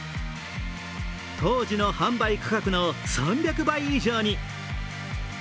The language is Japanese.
当時の販売価格の３００倍以上に。